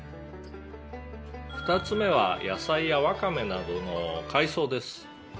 「２つ目は野菜やワカメなどの海藻です」